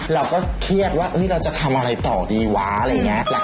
เราก็เครียดว่าเราจะทำอะไรต่อดีวะอะไรอย่างนี้